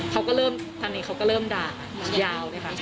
เขาก็เริ่มทางนี้เขาก็เริ่มด่ายาวเลยค่ะ